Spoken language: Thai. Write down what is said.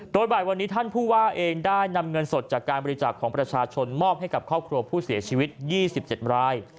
โดยบ่ายวันนี้ท่านผู้ว่าเองได้นำเงินสดจากการบริจาคของประชาชนมอบให้กับครอบครัวผู้เสียชีวิต๒๗ราย